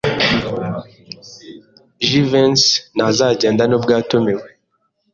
Jivency ntazagenda nubwo yatumiwe.